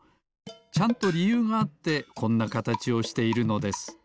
ちゃんとりゆうがあってこんなかたちをしているのです。